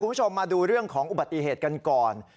คุณผู้ชมมาดูเรื่องของอุบัติเหตุกันก่อน